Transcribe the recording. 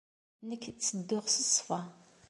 Nekk ttedduɣ s ṣṣfa!